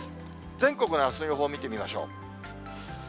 全国のあすの予報見てみましょう。